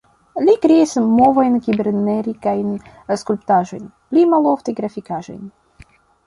Li kreis movajn-kibernerikajn skulptaĵojn, pli malofte grafikaĵojn.